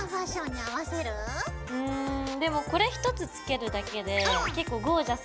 でもこれ１つ付けるだけで結構ゴージャスになるから。